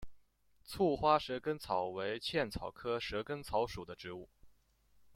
簇花蛇根草为茜草科蛇根草属的植物。